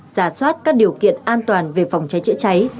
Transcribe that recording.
giả soát các điều kiện an toàn về phòng cháy chữa cháy